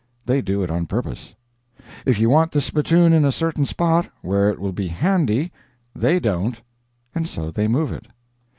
They do it on purpose. If you want the spittoon in a certain spot, where it will be handy, they don't, and so they move it.